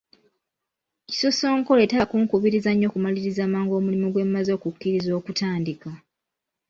Kisosonkole taba kunkubirizanga nnyo kumaliriza mangu omulimu gwe mmaze okukkiriza okutandika